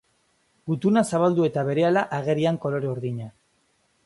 Gutuna zabaldu eta berehala agerian kolore urdina.